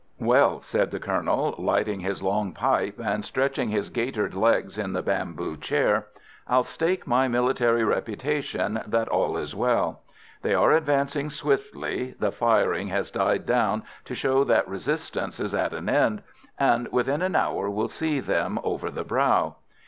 "Well," said the Colonel, lighting his long pipe, and stretching his gaitered legs in the bamboo chair, "I'll stake my military reputation that all is well. They are advancing swiftly, the firing has died down to show that resistance is at an end, and within an hour we'll see them over the brow.